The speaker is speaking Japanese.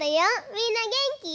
みんなげんき？